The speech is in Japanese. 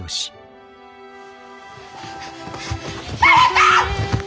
誰か！